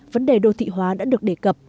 vấn đề đô thị hóa đã được đề cập